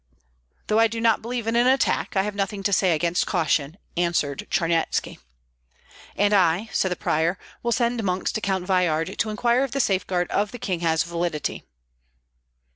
"Though I do not believe in an attack, I have nothing to say against caution," answered Charnyetski. "And I," said the prior, "will send monks to Count Veyhard to enquire if the safeguard of the king has validity."